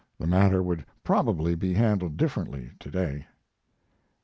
The matter would probably be handled differently to day.